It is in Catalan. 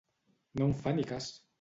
No em fa ni cas.